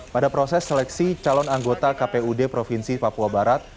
pada proses seleksi calon anggota kpud provinsi papua barat